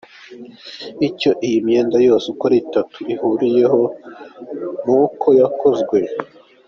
Icyo iyi myenda yose uko ari itatu ihuriyeho ni uko yakozwe